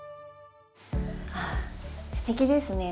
あすてきですね。